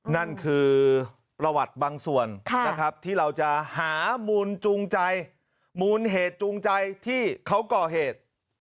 นั่นคือประวัติบางส่วนนะครับที่เราจะหามูลจูงใจมูลเหตุจูงใจที่เขาก่อเหตุ